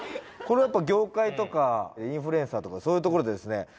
「これはやっぱ業界とかインフルエンサーとかそういうところでですね